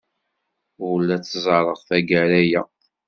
Ur la t-ẓẓareɣ tagara-a.